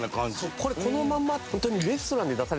これこのままホントに。